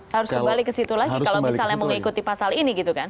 harus kembali ke situ lagi kalau misalnya mau mengikuti pasal ini gitu kan